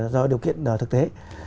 do điều kiện thực tế